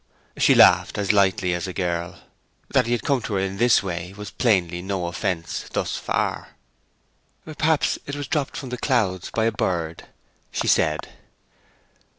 She laughed as lightly as a girl; that he had come to her in this way was plainly no offence thus far. 'Perhaps it was dropped from the clouds by a bird,' she said.